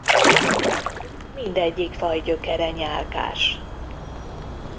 Mindegyik faj gyökere nyálkás.